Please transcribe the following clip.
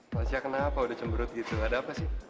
tasya kenapa udah cemberut gitu ada apa sih